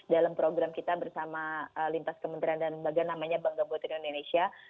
dalam program kita bersama lintas kementerian dan lembaga namanya bangga buat tidak indonesia